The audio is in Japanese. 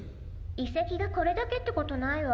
いせきがこれだけってことないわ。